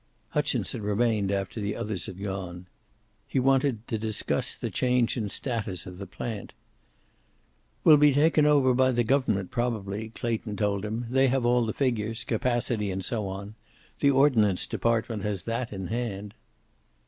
Hutchinson remained after the others had gone. He wanted to discuss the change in status of the plant. "We'll be taken over by the government, probably," Clayton told him. "They have all the figures, capacity and so on. The Ordnance Department has that in hand."